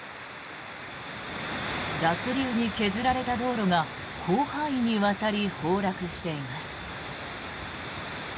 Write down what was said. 濁流に削られた道路が広範囲にわたり崩落しています。